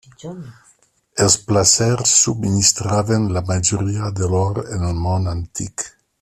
Els placers subministraven la majoria de l'or en el món antic.